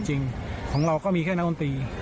จริงของเราก็มีแค่นักดนตรี